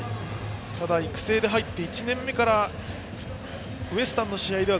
ただ、育成で入って１年目からウエスタンの試合では